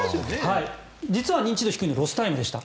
実は認知度低いのはロスタイムでした。